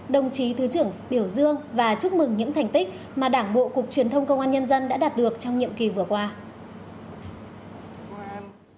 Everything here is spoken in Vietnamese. đồng chí thứ trưởng biểu dương và chúc mừng những thành tích mà đảng bộ cục truyền thông công an nhân dân đã đạt được trong nhiệm kỳ vừa qua